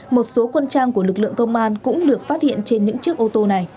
một số quân trang của lực lượng công an cũng được phát hiện trên những chiếc ô tô này